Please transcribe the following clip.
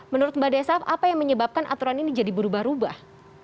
menurut mbak desaf apa yang menyebabkan aturan ini jadi berubah ubah